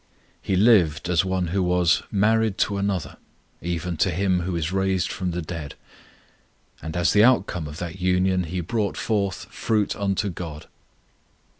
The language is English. He lived as one who was "married to Another, even to Him Who is raised from the dead"; and as the outcome of that union he brought forth "fruit unto God."